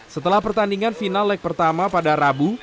setelah pertandingan final leg pertama pada rabu